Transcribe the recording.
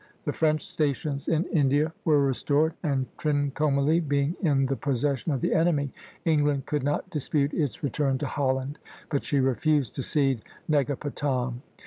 The French stations in India were restored; and Trincomalee being in the possession of the enemy, England could not dispute its return to Holland, but she refused to cede Negapatam.